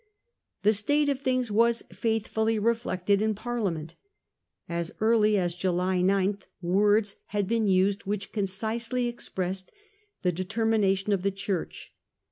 The state of things was faithfully reflected in Parlia ment. As early as July 9 words had been used which concisely expressed the determination of the Church.